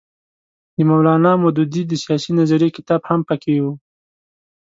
د مولانا مودودي د سیاسي نظریې کتاب هم پکې وو.